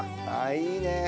あいいね